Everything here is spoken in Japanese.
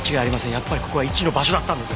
やっぱりここは１の場所だったんです。